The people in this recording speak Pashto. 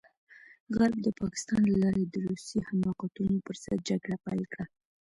غرب د پاکستان له لارې د روسي حماقتونو پرضد جګړه پيل کړه.